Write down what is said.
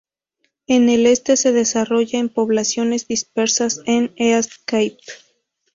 En el este se desarrolla en poblaciones dispersas en East Cape.